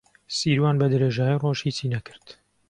سیروان بەدرێژایی ڕۆژ هیچی نەکرد.